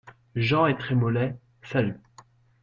Jean et Trémollet saluent.